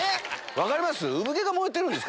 分かります？